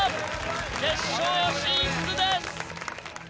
決勝進出です。